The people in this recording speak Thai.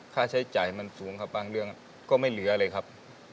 ค่าใช้จ่ายมันสูงครับบางเรื่องก็ไม่เหลือเลยครับ